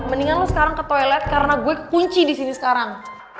mendingan lo sekarang ke toilet karena gue kunci di sini sekarang